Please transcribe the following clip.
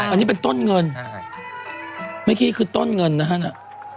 อันนี้เป็นต้นเงินไม่คิดว่ามันคือต้นเงินนะฮะ